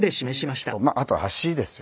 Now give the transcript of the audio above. あと足ですよね